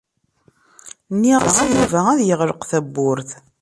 Nniɣ-as i Yuba ad yeɣleq tawwurt.